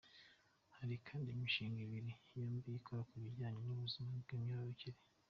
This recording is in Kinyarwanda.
Hari kandi imishinga ibiri yombi ikora ku bijyanye n’ubuzima bw’imyororokere.